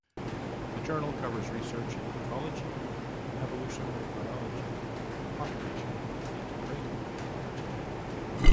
The journal covers research in ecology, evolutionary biology, population, and integrative biology.